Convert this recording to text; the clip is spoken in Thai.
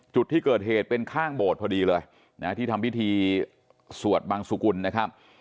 จุดที่เกิดเหตุเป็นข้างโบสถ์พอดีเลยนะที่ทำพิธีสวดบังสุกุลนะครับ